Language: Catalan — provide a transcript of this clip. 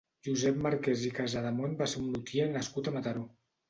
Josep Marquès i Casademont va ser un lutier nascut a Mataró.